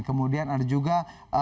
kemudian ada juga